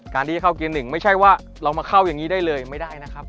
การที่จะเข้าเกณฑ์๑ไม่ใช่ว่าเรามาเข้าอย่างนี้ได้เลยไม่ได้นะครับ